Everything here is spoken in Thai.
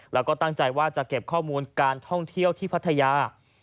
แล้วก็ตั้งใจว่าจะเก็บข้อมูลการท่องเที่ยวที่พัทยา